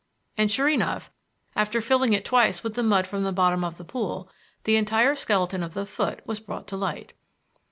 And sure enough, after filling it twice with the mud from the bottom of the pool, the entire skeleton of the foot was brought to light.